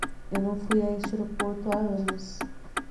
Eu não fui a este aeroporto há anos.